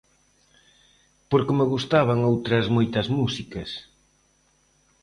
Porque me gustaban outras moitas músicas.